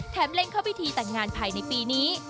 เล็งเข้าพิธีแต่งงานภายในปีนี้